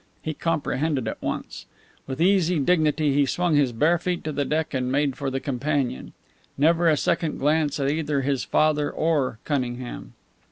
He comprehended at once. With easy dignity he swung his bare feet to the deck and made for the companion; never a second glance at either his father or Cunningham.